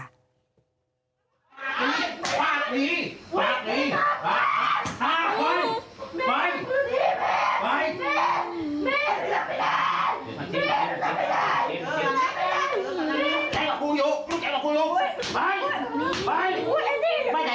ฟาดผี